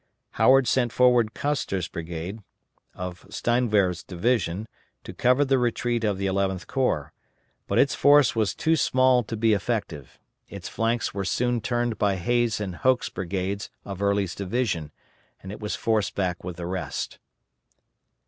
Howard sent forward Coster's brigade, of Steinwehr's division, to cover the retreat of the Eleventh Corps; but its force was too small to be effective; its flanks were soon turned by Hays' and Hoke's brigades, of Early's division, and it was forced back with the rest.